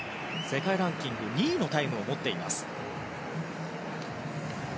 世界ランキング２位のタイムを持っています。